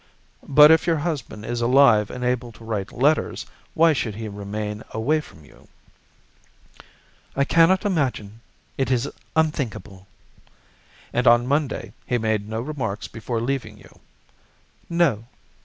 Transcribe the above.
But if your husband is alive and able to write letters, why should he remain away from you?" "I cannot imagine. It is unthinkable." "And on Monday he made no remarks before leaving you?" "No."